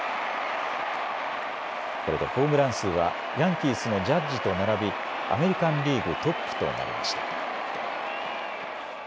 これでホームラン数はヤンキースのジャッジと並びアメリカンリーグトップとなりました。